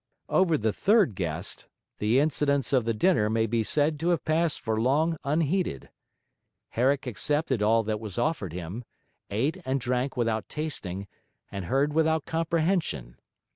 Over the third guest, the incidents of the dinner may be said to have passed for long unheeded. Herrick accepted all that was offered him, ate and drank without tasting, and heard without comprehension.